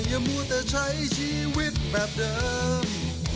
อย่ามัวแต่ใช้ชีวิตแบบเดิม